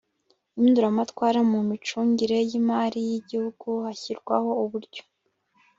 impinduramatwara mu micungire y'imari y'igihugu hashyirwaho uburyo